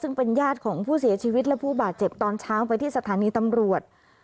ซึ่งเป็นญาติของผู้เสียชีวิตและผู้บาดเจ็บตอนเช้าไปที่สถานีตำรวจ